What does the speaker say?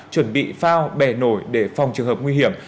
chuẩn bị phao bè nổi để phòng trường hợp nguy hiểm